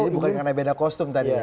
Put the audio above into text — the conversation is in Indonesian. jadi bukan karena beda kostum tadi ya